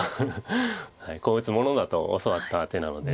こう打つものだと教わった手なので。